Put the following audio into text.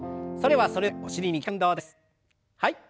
はい。